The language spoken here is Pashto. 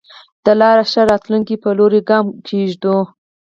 د لا ښه راتلونکي په لوري ګام کېږدو.